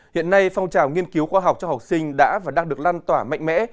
hiện nay phong trào nghiên cứu khoa học cho học sinh đã và đang được lan tỏa mạnh mẽ